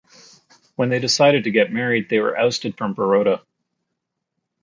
When they decided to get married, they were ousted from Baroda.